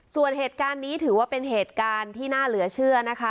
ส่วนเหตุการณ์นี้ถือว่าเป็นเหตุการณ์ที่น่าเหลือเชื่อนะคะ